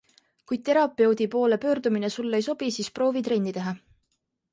Kui terapeudi poole pöördumine sulle ei sobi, siis proovi trenni teha.